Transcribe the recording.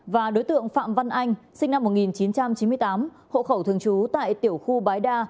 và đối tượng phạm văn anh sinh năm một nghìn chín trăm chín mươi tám hộ khẩu thường trú tại tiểu khu bãi đa